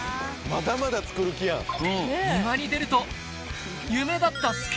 まだまだ造る気やん！